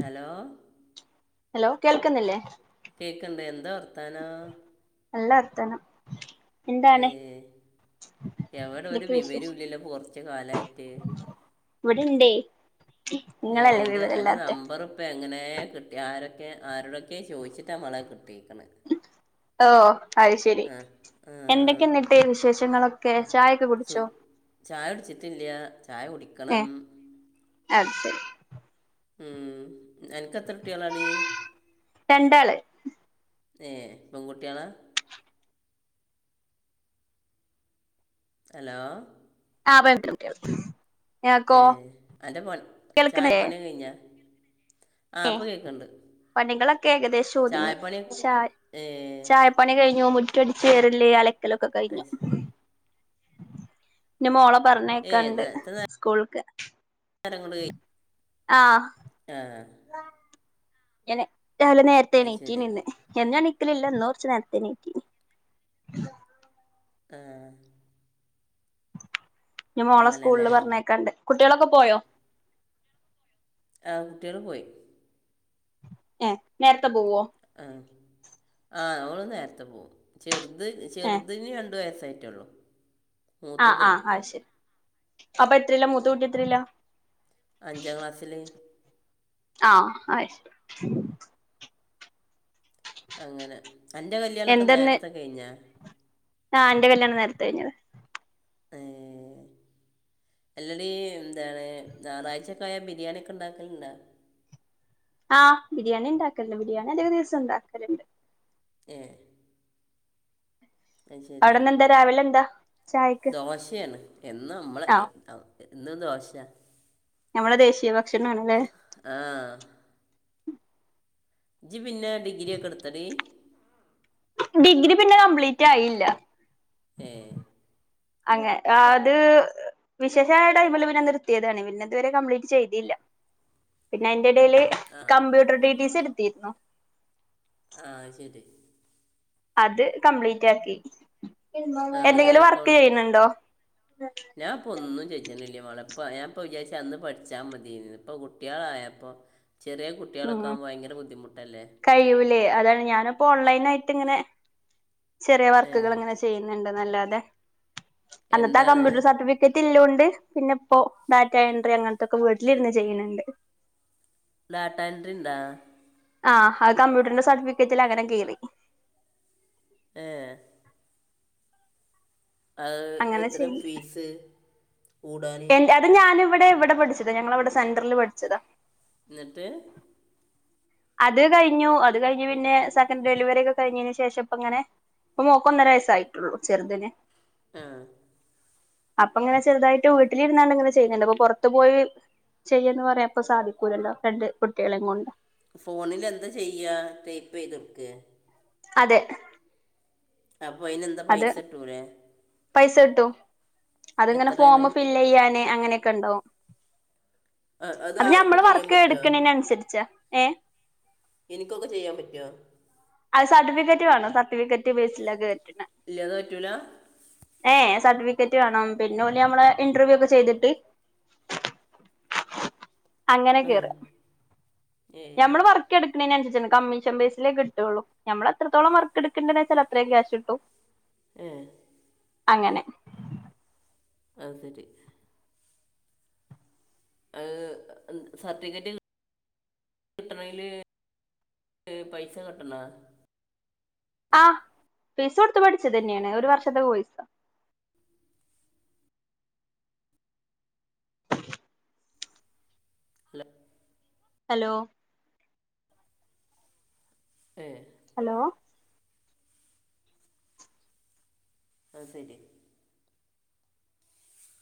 Hello hello കേൾക്കുന്നില്ലേ കേക്കണ്ട് എന്താ വർത്തനോ നല്ല വർത്താനം എന്താണ് ഏഹ് എവിടെ ഒരു എന്തൊക്കെ വിവരം വിശേഷം ഇല്ലല്ലോ കുറച്ചു കാലായിട്ട് ണ്ട് നിങ്ങളല്ലേ എൻ്റെ എൻ്റെ വിവരല്ലാത്തെ നമ്പർ ഇപ്പം എങ്ങനെ കിട്ടി ആരൊക്കെ ആരോടൊക്കെ ചോദിച്ചിട്ട ആഹ് മളെ കിട്ടിയത് ഓ അത് ശരി ആ ആ, എന്തൊക്കെയ എന്നിട്ട് വിശേഷങ്ങളൊക്കെ ചായൊക്കെ കുടിച്ചോ സുഗ് ചായ കുടിച്ചിട്ടില്ല ചായ ഏ കുടിക്കണം അത് ശരി മ് അനക്ക് എത്ര കുട്ടികളാടി രണ്ടാള് ഏഹ് പെൺകുട്ടികള ഹലോ ആഹ് പറഞ്ഞോ [inaudible] ഏഹ് അന്റെ പോല കേൾക്കണില്ലേ ചായപ്പണിയൊ കഴിഞ്ഞാ ഏ ആപ്പൊ കേക്ക്ണ് ണ്ട് പണികളൊക്കെ ഏകദേശൊതുങ്ങി. ചായ ഏ ചായപ്പണി കഴിഞ്ഞു മു മുറ്റടിച്ചോരല് അലക്കലൊക്കെ അത് കഴിഞ്ഞു ശ- ന മോള പറഞ്ഞയക്കാണ്ട് സ്കൂള്ക്ക് തരംങ്ങൊണ്ട് ആ ആഹ് ഞാന് രാവിലെ നേരത്തെ അത് ശരി നീറ്റ്നിന്ന് എ ക്കലില്ല ഇന്ന് കൊറച്ച് നേരത്തെ എണീറ്റ്ന് ആഹ് ഞ മോളെ സ്കൂള്ല് പറഞ്ഞയക്കാണ്ട് കുട്ടീളൊക്കെ പോയൊ ആഹ് കുട്ടീളും പോയ് ഏ നേര് ആഹ് ആഹ് ഓള് നേരത്തെ പോവും ചെറുത് ഏ ചെറ്തിന് രണ്ട് വയസ്സ സൈറ്റൊള്ളു ആഹ് ആഹ് അയ് ശരി അപ്പൊ എത്രീല മൂത്ത കൂട്ടി എത്രീല അഞ്ചാം ക്ലാസ്സില് ആഹ് അയ് ശരി അങ്ങനെ അന്റെ കല്യാണൊക്കെ നേര്ത്തെ കഴിഞ്ഞൊ ആഹ് ഇന്റെ കല്യാണം നേര്ത്തെ കഴിഞ്ഞത് ഏഹ് എല്ലെടീ എന്താണ് ഞായറാഴ്ചൊക്കായ ബിരിയാണിക്കെ ഇണ്ടാക്കല്ണ്ടാ ആഹ് ബിരിയാണി ഇണ്ടാക്കല്ണ്ട് ബിരിയാണി അതിക ദിവസം ഇണ്ടാക്കല്ണ്ട് ഏഹ് അത് ശരി അവിടെന്ന് എന്താ രാവിലെ എന്താ ചായക്ക് ദോശയണ് എന്നു ഞമ്മളെ ആ ഇന്നും ദോശ്യ ഞമ്മളെ ദേശീയ ഭക്ഷണം ആണ്ലെ ആ ജ് പിന്നെ ഡിഗ്രി ഒക്കെ ഇടുത്തെടീ ഡിഗ്രി പിന്നെ കംപ്ലീറ്റായില്ല ഏ അങ്ങ ആഹ് അത് വിശേഷായ ടൈമില് പിന്നെ നിർത്തിയതാണ് പിന്നെ ഇതുവരെ കംപ്ലീറ്റ് ചെയ്തില്ല പിന്നെ അയിന്റെടയ്ല് ആ കമ്പ്യൂട്ടർ ട്ടീ ട്ടീ സി ഇട്ത്തീര്ന്നു ആഹ് ശരി അത് കംപ്ലീറ്റാക്കി ആഹ് ഇന്നിട്ട് കൊ ഞാൻപ്പൊ ഒന്നും ചൊയ്ച്ചലില്ല മളെ ഇപ്പ ഞാൻ ഇപ്പ വിചാരിച്ച അന്ന് പഠിച്ചാ മതിയേനുന്ന് ഇപ്പൊ കുട്ടീളായപ്പൊ ഉം കഴിയൂലെ അതാണ് ഞാനിപ്പൊ ഓൺലൈനായി ഇങ്ങനെ ചെറിയ ഏ വർക്ക്കളിങ്ങനെ ചെയ്യ്ന്ന്ണ്ട് ന്നല്ലാതെ അന്നത്തെ ആ എന്താണ് കമ്പ്യൂട്ടറ് സർട്ടിഫിക്കറ്റില്ലോണ്ട് പിന്നെ ഇപ്പൊ ഡാറ്റ എൻട്രി അങ്ങൻത്തൊക്കെ വീട്ടിലിര്ന്ന് ചെയ്യ്ന്ന്ണ്ട് ഡാറ്റ എൻഡ്രിന്താ ആഹ് അത് കമ്പ്യൂട്ടറിന്റെ സർട്ടിഫിക്കറ്റിലങ്ങനെ കേറി ഏഹ് അയ് അങ്ങനെ എത്രെ ചെയ്യണ്ട് ഫീസ് കൂടാൻ എന്റെ അത് ഞാനിവ്ടെ ഇവ്ടെ പഠിച്ചതാ ഞങ്ങളവ്ടെ സെന്ററില് പഠിച്ചതാ ന്ന്ട്ട് അത് കഴിഞ്ഞു അത് കഴിഞ്ഞ് പിന്നെ സെക്കൻഡ് ഡെലിവറിക്കെ കഴിഞ്ഞീന് ശേഷം ഇപ്പങ്ങനെ ഇപ്പൊ മോക്കൊന്നര വയസ്സായിട്ടുള്ളു ചെറ്തിന് ആഹ് അപ്പൊ ഇങ്ങനെ ചെറുതായിട്ട് വീട്ടിലിരുന്നാണ്ട് ഇങ്ങനെ ചെയ്യ്ന്ന്ണ്ട് അപ്പൊ പൊറത്തു പോയി ചെയ്യ്ന്ന് പറയാപ്പ സാധിക്കൂലലൊ രണ്ട് കുട്ടീളം കൊണ്ട് ഫോണിലെന്താ ചെയ്യ ടൈപ്പീതൊട്ക്കെ [unintelligible] അപ്പൊ അയിന് എന്താ അത് പൈസട്ടൂലേ പൈസ കിട്ടു അതിങ്ങനെ ഫോമ് ഫില് ചെയ്യാന് അങ്ങനെയൊക്കെ ഉണ്ടാവും അ- അത് ആർക്കും ഞമ്മള് ചെയ്യാൻ വർക്ക് പറ്റുമോ എടുക്കണേന് അനുസരിച്ച ഏഹ് എനിക്കൊക്കെ ചെയ്യാൻ പറ്റോ അത് സർട്ടിഫിക്കറ്റ് വേണം സർട്ടിഫിക്കറ്റ് ബേസിലൊക്കെ കേറ്റൽ ഇല്ലതെ പറ്റൂല ഏ സർട്ടിഫിക്കറ്റ് വേണം പിന്നെ ഓല് ഞമ്മളെ ഇന്റർവ്യൂ ഒക്കെ ചെയ്തിട്ട് [unintelligible] അങ്ങനെ കേറ ഏ ഞമ്മള് വർക്ക്ക്കെടുക്കണേനനുസരിചാണ് കമ്മീഷൻ ബേസിലക്കെ ട്ടൊള്ളു ഞമ്മള് എത്രത്തോളം വർക്ക് എടുക്കണ്ട വെച്ചാ അത്രയും ക്യാഷ് കിട്ടും ഏഹ് അങ്ങനെ അത് ശരി അത് സർട്ടിഫിക്കറ്റ് കിട്ടണങ്കില് ഏഹ് പൈസ കെട്ടണോ ആഹ പൈസ കൊടുത് പഠിച്ചത് തന്നെയാണ് ഒരു വർഷത്തേ കോഴ്‌സ ല്ലെ ഹലോ ഏഹ് ഹലോ അത് ശരി